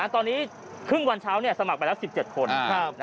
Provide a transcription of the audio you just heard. ตอนนี้ครึ่งวันเช้าสมัครไปแล้ว๑๗คน